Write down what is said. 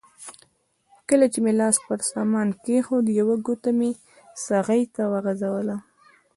کله چې مې لاس پر سامان کېښود یوه ګوته مې څغۍ ته وغځوله.